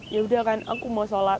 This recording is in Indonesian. yaudah kan aku mau sholat